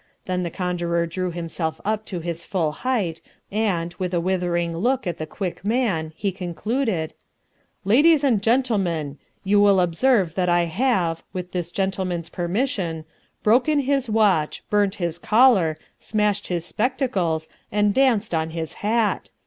Then the conjurer drew himself up to his full height and, with a withering look at the Quick Man, he concluded: "Ladies and gentlemen, you will observe that I have, with this gentleman's permission, broken his watch, burnt his collar, smashed his spectacles, and danced on his hat.